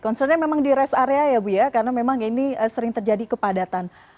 concernnya memang di rest area ya bu ya karena memang ini sering terjadi kepadatan